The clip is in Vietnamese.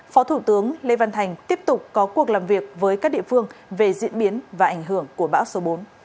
phó thủ tướng lê văn thành tiếp tục có cuộc làm việc với các địa phương về diễn biến và ảnh hưởng của bão số bốn